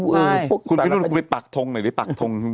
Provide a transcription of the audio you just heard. คุณพี่นุ่นคุณไปตักทงหน่อยไปตักทง